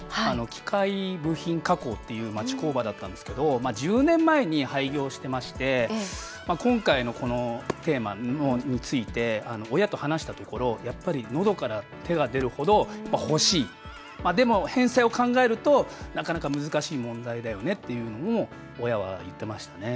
機械部品加工っていう町工場だったんですけど１０年前に廃業してまして今回のこのテーマについて親と話したところ、やっぱりのどから手が出るほど欲しい、でも返済を考えるとなかなか難しい問題だよねとも親は言ってましたね。